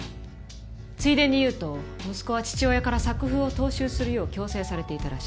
ついでに言うと息子は父親から作風を踏襲するよう強制されていたらしい。